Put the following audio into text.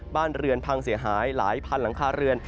บ้านเรือนพังเสียหายหลายพันหลังคาเรือน